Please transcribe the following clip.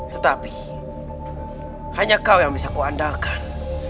tetapi hanya kau yang bisa kuandalkan